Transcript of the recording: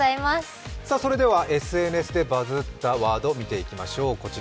ＳＮＳでバズったワード見ていきましょう。